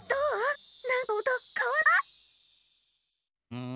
うん。